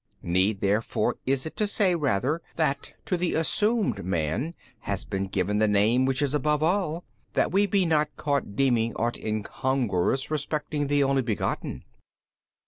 need therefore is it to say rather that to the assumed man has been given the Name which is above all, that we be not caught deeming ought incongruous respecting the Only Begotten.